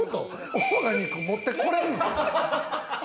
オーガニック持ってこれんの？